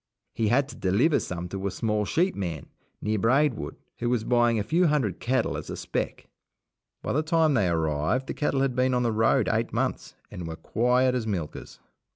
He had to deliver some to a small sheep man, near Braidwood, who was buying a few hundred cattle as a spec. By the time they arrived, the cattle had been on the road eight months, and were quiet as milkers.